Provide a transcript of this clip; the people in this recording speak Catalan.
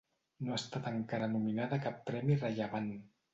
No ha estat encara nominada a cap premi rellevant.